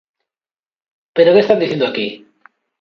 ¿Pero que están dicindo aquí?